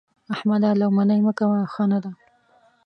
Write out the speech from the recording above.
احمده! لو منې مه کوه؛ ښه نه ده.